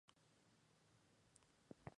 Hoy es título cardenalicio.